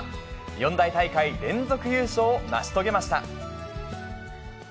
四大大会連続優勝を成し遂げました。